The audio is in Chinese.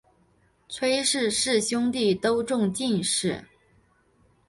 崔氏四兄弟都中进士。